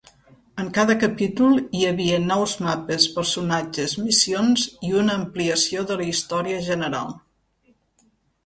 En cada capítol hi havia nous mapes, personatges, missions i una ampliació de la història general.